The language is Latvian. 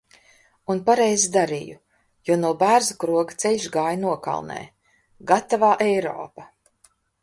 Un pareizi darīju, jo no Bērzukroga ceļš gāja nokalnē. Gatavā Eiropa!